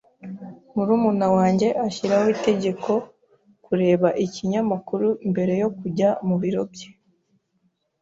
Murumuna wanjye ashyiraho itegeko kureba ikinyamakuru mbere yo kujya mubiro bye.